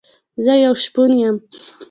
زه يو شپون يم